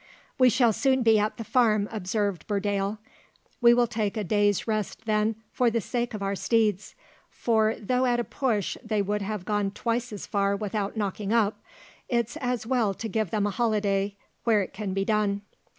"We shall soon be at the farm," observed Burdale. "We will take a day's rest then for the sake of our steeds; for though at a push they would have gone twice as far without knocking up, it's as well to give them a holiday where it can be done."